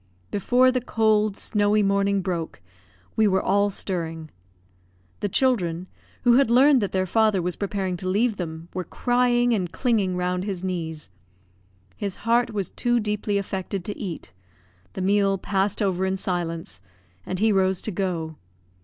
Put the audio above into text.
Before the cold, snowy morning broke, we were all stirring. The children, who had learned that their father was preparing to leave them, were crying and clinging round his knees. His heart was too deeply affected to eat; the meal passed over in silence, and he rose to go.